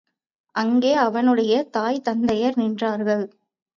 அங்கே அவனுடைய தாய் தந்தையர் நின்றார்கள்.